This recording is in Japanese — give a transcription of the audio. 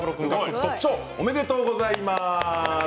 おめでとうございます。